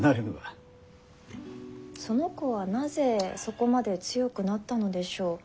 その子はなぜそこまで強くなったのでしょう？